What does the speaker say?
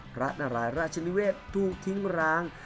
พระนลาราชราชนิเวศฯถูกทิ้งล้าง